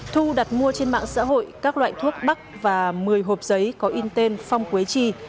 thu đặt mua trên mạng xã hội các loại thuốc bắc và một mươi hộp giấy có in tên phong quế trì